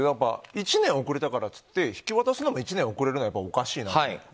１年遅れたからって引き渡すのが１年遅れるのはおかしいなと。